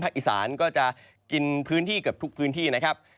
อีสานก็จะกินพื้นที่เกือบทุกพื้นที่นะครับ